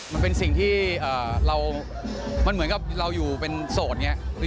มันเป็นสิ่งที่เรามันเหมือนกับเราอยู่เป็นโสดอย่างนี้